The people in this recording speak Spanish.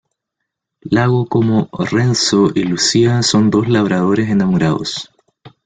Lago Como: Renzo y Lucia son dos labradores enamorados.